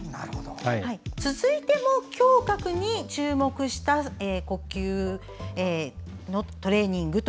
続いても胸郭に注目した呼吸トレーニングです。